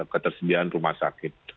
ketersediaan rumah sakit